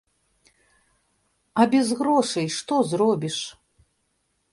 А без грошай што зробіш?